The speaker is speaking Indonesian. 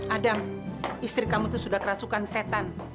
adang istri kamu itu sudah kerasukan setan